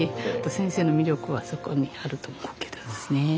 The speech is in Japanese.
先生の魅力はそこにあると思うけどですね。